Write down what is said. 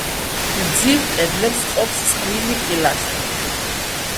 გრძივ კედლებს ყოფს წყვილი პილასტრი.